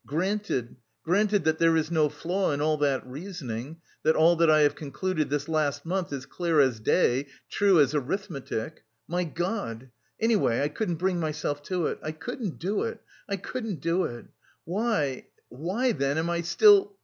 Granted, granted that there is no flaw in all that reasoning, that all that I have concluded this last month is clear as day, true as arithmetic.... My God! Anyway I couldn't bring myself to it! I couldn't do it, I couldn't do it! Why, why then am I still...?"